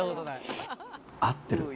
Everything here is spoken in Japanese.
合ってる。